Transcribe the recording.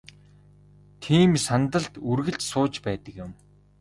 Тийм сандалд үргэлж сууж байдаг юм.